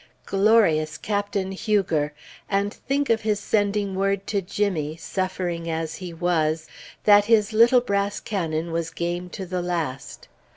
Glorious Captain Huger! And think of his sending word to Jimmy, suffering as he was, that "his little brass cannon was game to the last."